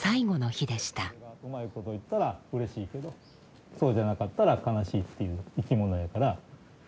うまいこといったらうれしいけどそうじゃなかったら悲しいっていう生き物やから。